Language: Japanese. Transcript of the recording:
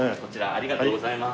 ありがとうございます。